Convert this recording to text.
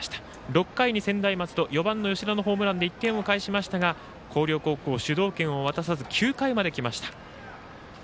６回に専大松戸４番の吉田のホームランで１点を返しましたが広陵高校、主導権を渡さず９回まできました。